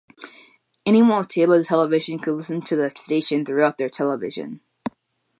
Anyone with cable television could listen to the station through their television.